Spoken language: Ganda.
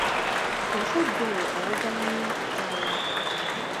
Omusajja oyo ayagala nnyo okukaayana.